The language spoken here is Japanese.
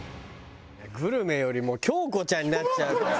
グルメよりも京子ちゃんになっちゃうからね。